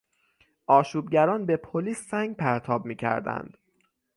آشوبگران به پلیس سنگ پرتاب میکردند.